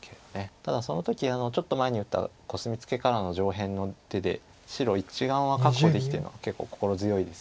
ただその時ちょっと前に打ったコスミツケからの上辺の手で白１眼は確保できてるのが結構心強いです。